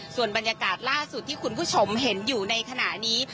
ส่วนบรรยากาศล่าสุดที่คุณผู้ชมเห็นอยู่ในขณะนี้